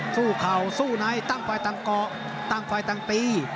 เข่าสู้ในตั้งฝ่ายต่างเกาะตั้งฝ่ายต่างตี